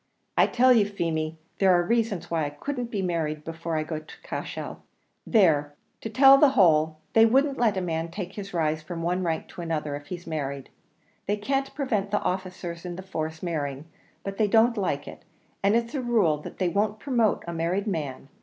"I tell you, Feemy, there are reasons why I couldn't be married before I get to Cashel. There, to tell you the whole, they wouldn't let a man take his rise from one rank to another if he's married. They can't prevent the officers in the force marrying, but they don't like it; and it's a rule that they won't promote a married man.